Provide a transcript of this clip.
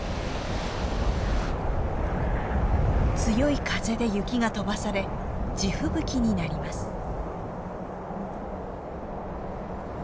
強い風で雪が飛ばされ地吹雪になります。